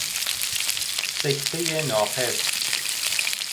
سکته ناقص